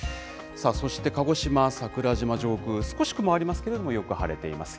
そして、鹿児島・桜島上空、少し雲ありますけど、よく晴れています。